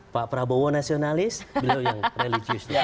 pak prabowo nasionalis beliau yang religius